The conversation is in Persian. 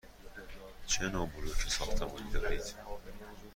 چه نوع بلوک ساختمانی دارید؟